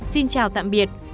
xin chào tạm biệt và hẹn gặp lại